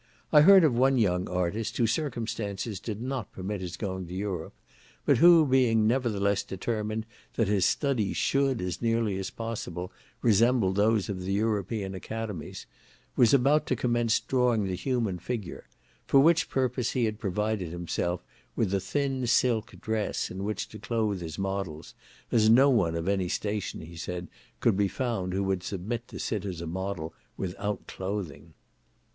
I heard of one young artist, whose circumstances did not permit his going to Europe, but who being nevertheless determined that his studies should, as nearly as possible, resemble those of the European academies, was about to commence drawing the human figure, for which purpose he had provided himself with a thin silk dress, in which to clothe his models, as no one of any station, he said, could be found who would submit to sit as a model without clothing.